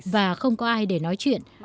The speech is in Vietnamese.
và không có ai để nói chuyện